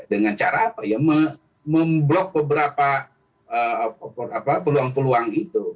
dengan cara apa ya memblok beberapa peluang peluang itu